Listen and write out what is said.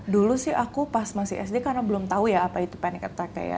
dulu sih aku pas masih sd karena belum tahu ya apa itu panic attack ya